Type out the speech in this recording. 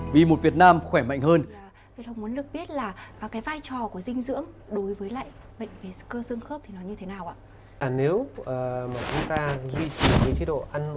vì một việt nam khỏe mạnh hơn